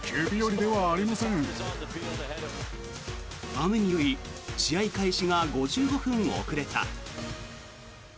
雨により試合開始が５５分遅れた。